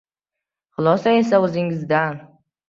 Xulosa esa o‘zingizdan.